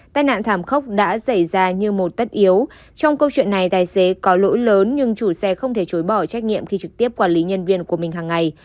tai nạn thảm khốc đã xảy ra như một tất yếu trong câu chuyện này tài xế có lỗi lớn nhưng chủ xe không thể chối bỏ trách nhiệm khi trực tiếp quản lý nhân viên của mình hàng ngày